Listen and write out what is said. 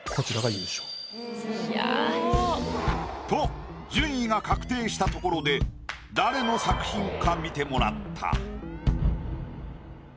と順位が確定したところで誰の作品か見てもらった。